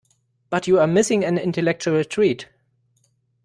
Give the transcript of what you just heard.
But you are missing an intellectual treat.